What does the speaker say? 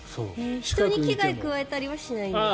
人に危害を加えたりはしないんですか？